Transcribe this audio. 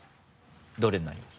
どれになります？